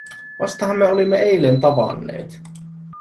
Vastahan me olimme eilen tavanneet.